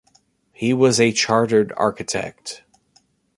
He was a chartered architect.